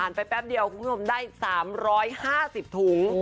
ไปแป๊บเดียวคุณผู้ชมได้๓๕๐ถุง